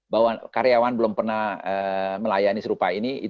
bahwa karyawan belum pernah melayani serupa ini